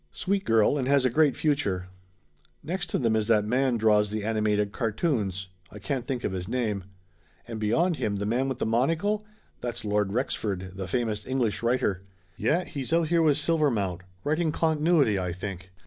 Sweet girl, and has a great future ! Next to them is that man draws the animated cartoons I can't think of his name. And beyond him the man with the monocle? That's Lord Rexford, the famous English writer. Yeh he's out here with Silvermount. Writing continuity, I think."